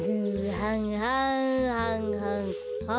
はんはんはんはん。